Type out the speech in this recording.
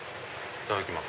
いただきます！